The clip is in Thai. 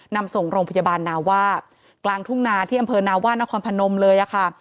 นำส่งโรงพยาบาลนาว่ากลางทุ่งนาที่อำเภอนาว่านครพนมเลยอะค่ะ